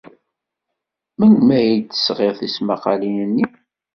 Melmi ay d-tesɣid tismaqqalin-nni?